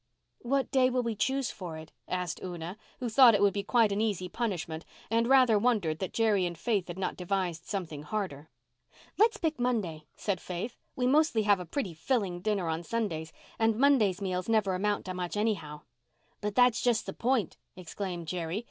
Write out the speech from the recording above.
"What day will we choose for it?" asked Una, who thought it would be quite an easy punishment and rather wondered that Jerry and Faith had not devised something harder. "Let's pick Monday," said Faith. "We mostly have a pretty filling dinner on Sundays, and Mondays meals never amount to much anyhow." "But that's just the point," exclaimed Jerry.